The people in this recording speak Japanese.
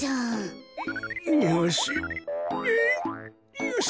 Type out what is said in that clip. よし。